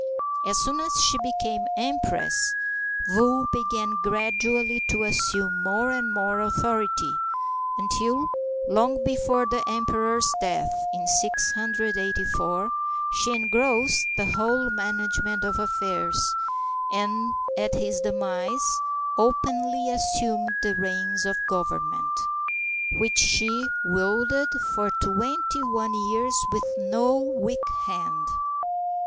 As soon as she became empress, Wu began gradually to assume more and more authority, until, long before the emperor's death in 684, she engrossed the whole manage ment of affairs, and at his demise openly assumed the reins of government, which she wielded for twenty one years with no weak hand.